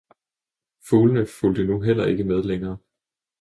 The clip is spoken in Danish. Fuglene fulgte nu heller ikke med længere.